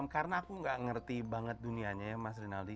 karena aku nggak ngerti banget dunianya ya mas rinaldi